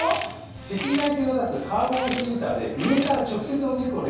赤外線を出すカーボンヒーターで上から直接お肉をね